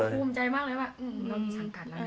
มันภูมิใจมากเลยว่าสังกัดแล้วค่ะ